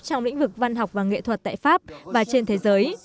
trong lĩnh vực văn học và nghệ thuật tại pháp và trên thế giới